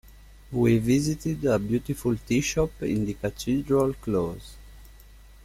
We visited a beautiful teashop in the Cathedral close.